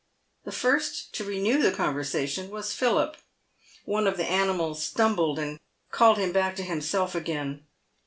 The first to renew the conversation was Philip. One of the animals stumbled, and called him back to himself again.